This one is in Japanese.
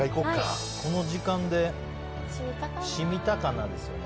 この時間で味がしみたかどうかですよね。